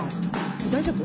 大丈夫？